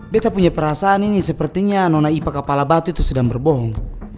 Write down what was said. betta punya perasaan ini sepertinya nona ipa kapalabatu itu sedang berbohong